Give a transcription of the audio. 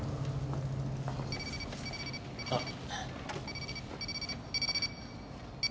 あっ。